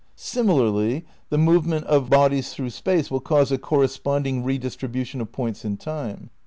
Similarly, the move ment of bodies through space will cause a correspond ing redistribution of points in time.